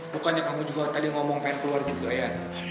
bukannya kamu juga tadi ngomong pengen keluar juga ya